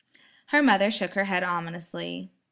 Her mother shook her head ominously.